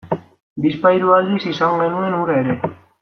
Bizpahiru aldiz izan genuen hura ere.